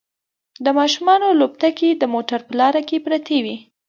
د ماشومانو لوبتکې د موټر په لاره کې پرتې وي